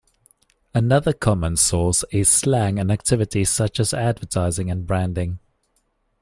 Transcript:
Another common source is slang and activities such as advertising and branding.